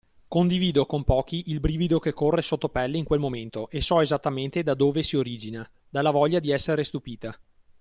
Condivido con pochi il brivido che corre sottopelle in quel momento e so esattamente da dove si origina: dalla voglia di essere stupita.